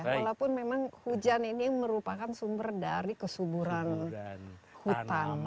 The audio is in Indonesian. walaupun memang hujan ini merupakan sumber dari kesuburan hutan